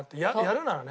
「やるなら」？